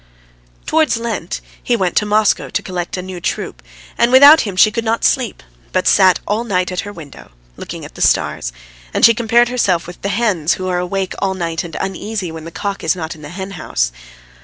Towards Lent he went to Moscow to collect a new troupe, and without him she could not sleep, but sat all night at her window, looking at the stars, and she compared herself with the hens, who are awake all night and uneasy when the cock is not in the hen house.